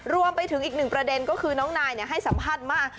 รวมไปถึงอีกหนึ่งประเด็นก็คือน้องนายให้สัมภาษณ์มาก